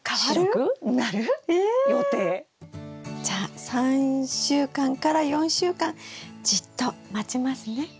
じゃあ３週間から４週間じっと待ちますね。